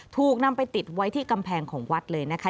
ถูกนำไปติดไว้ที่กำแพงของวัดเลยนะคะ